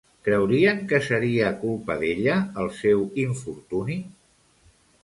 Creurien que seria culpa d'ella el seu infortuni?